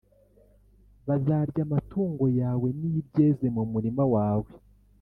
Bazarya amatungo yawe n ibyeze mu murima wawe